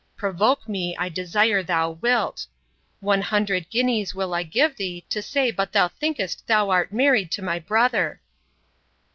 Provoke me, I desire thou wilt! One hundred guineas will I give thee, to say but thou thinkest thou art married to my brother.